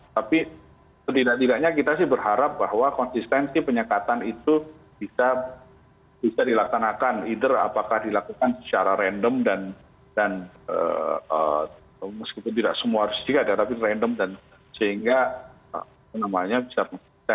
tapi kita juga lihat bahwa penyekatan itu bisa dilakukan secara random dan meskipun tidak semua harus diadakan tapi random dan sehingga bisa diadakan